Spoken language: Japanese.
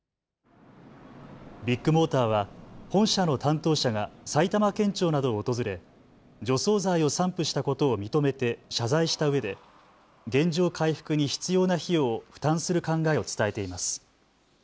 ビッグモーターは本社の担当者が埼玉県庁などを訪れ除草剤を散布したことを認めて謝罪したうえで原状回復に必要な費用を負担する考えを伝えています。